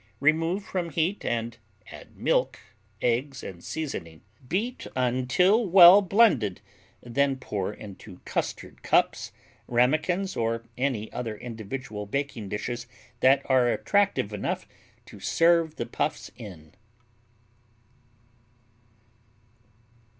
Remove from heat and add milk, eggs and seasoning. Beat until well blended, then pour into custard cups, ramekins or any other individual baking dishes that are attractive enough to serve the puffs in.